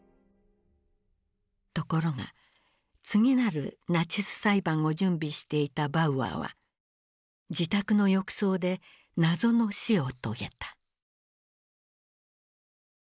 ところが次なるナチス裁判を準備していたバウアーは自宅の浴槽で謎の死を遂げた。